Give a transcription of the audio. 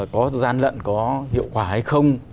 có gian lận có hiệu quả hay không